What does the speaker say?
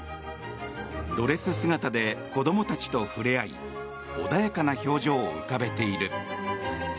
ドレス姿で子供たちと触れ合い穏やかな表情を浮かべている。